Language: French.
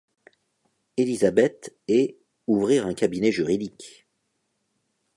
Elizabeth et ouvrir un cabinet juridique.